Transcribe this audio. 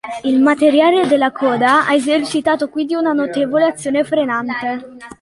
Il materiale della coda ha esercitato quindi una notevole azione frenante.